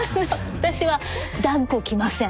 私は断固着ません。